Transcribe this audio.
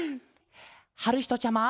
はるひとちゃま！